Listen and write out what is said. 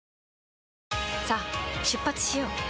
さあ出発しよう。